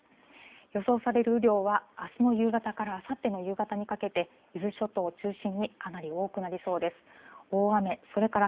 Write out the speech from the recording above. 予想される雨量は、あすの夕方からあさっての夕方にかけて、伊豆諸島中心にかなり多くなりそうです。